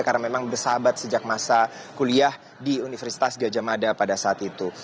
karena memang bersahabat sejak masa kuliah di universitas gajah mada pada saat itu